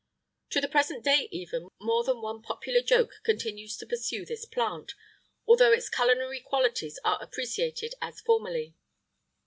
[IX 62] To the present day even, more than one popular joke continues to pursue this plant, although its culinary qualities are appreciated as formerly.